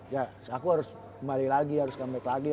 ya aku harus kembali lagi harus comeback lagi